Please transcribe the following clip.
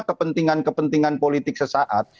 kepentingan kepentingan politik sesaat